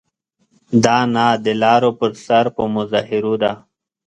دا نه د لارو پر سر په مظاهرو ده.